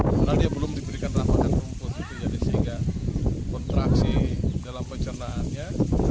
karena dia belum diberikan ramahan rumput sehingga kontraksi dalam pencernaannya